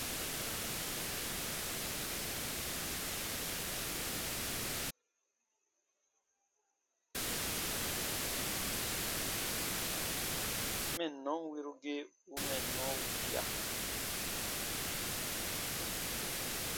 Mɛnnɔn wirugii u mɛnnɔ wukia.